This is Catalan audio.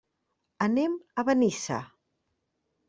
Anem a Benissa.